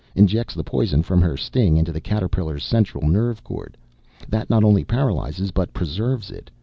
Injects the poison from her sting into the caterpillar's central nerve cord. That not only paralyzes but preserves it.